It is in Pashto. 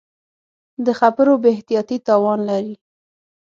د خبرو بې احتیاطي تاوان لري